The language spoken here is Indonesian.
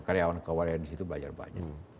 karyawan karyawan di situ belajar banyak